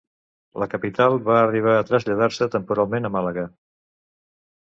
La capital va arribar a traslladar-se temporalment a Màlaga.